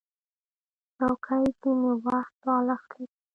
چوکۍ ځینې وخت بالښت لري.